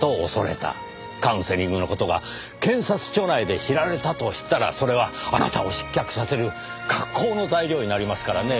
カウンセリングの事が検察庁内で知られたとしたらそれはあなたを失脚させる格好の材料になりますからねぇ。